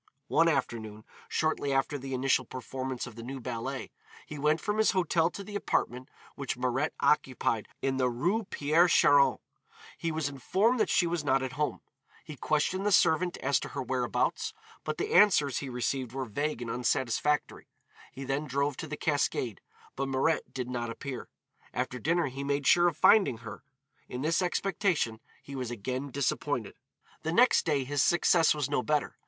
One afternoon, shortly after the initial performance of the new ballet, he went from his hotel to the apartment which Mirette occupied in the Rue Pierre Charon. He was informed that she was not at home. He questioned the servant as to her whereabouts, but the answers he received were vague and unsatisfactory. He then drove to the Cascade, but Mirette did not appear. After dinner he made sure of finding her. In this expectation he was again disappointed. The next day his success was no better.